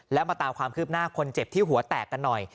แล้วมาตามความคืบหน้าคนเจ็บที่หัวแตกกันหน่อย